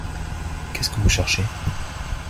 Qu'est-ce que vous cherchez ?